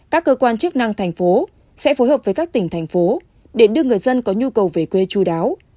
các cơ quan chức năng thành phố sẽ phối hợp với các tỉnh thành phố để đưa người dân có nhu cầu về quê chú đáo